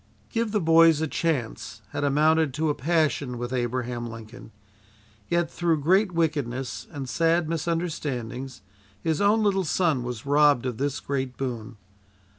"Give the boys a chance," had amounted to a passion with Abraham Lincoln, yet through great wickedness and sad misunderstandings his own little son was robbed of this great boon.